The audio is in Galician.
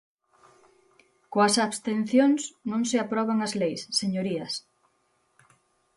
Coas abstencións non se aproban as leis, señorías.